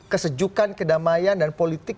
kesejukan kedamaian dan politik